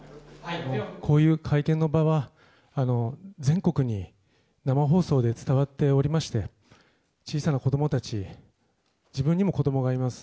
こういう会見の場は、全国に生放送で伝わっておりまして、小さな子どもたち、自分にも子どもがいます。